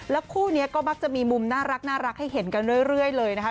คู่นี้ก็มักจะมีมุมน่ารักให้เห็นกันเรื่อยเลยนะคะ